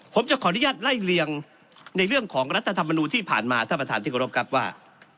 ผมจะขออนุญาตไล่เลียงในเรื่องของรัฐธรรมนูลที่ผ่านมาท่านประธานที่กรบครับว่า